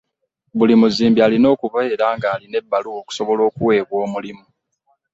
Buli muzimbi alina okubeera ng'alina ebbaluwa okusobola okuweebwa omulimu.